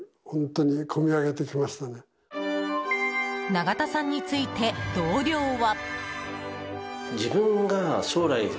永田さんについて、同僚は。